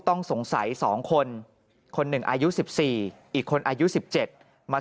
ต้องสงสัยสองคนคนหนึ่งอายุสิบสี่อีกคนอายุสิบเจ็ดมา